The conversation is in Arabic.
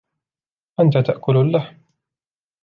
أنت تأكل اللحم.